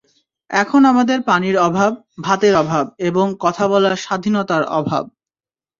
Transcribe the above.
এখন আমাদের পানির অভাব, ভাতের অভাব এবং কথা বলার স্বাধীনতার অভাব।